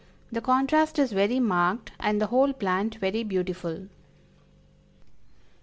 The contrast is very marked, and the whole plant very beautiful."